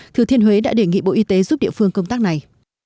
thừa thiên huế đã đề nghị bộ y tế giúp địa phương công tác này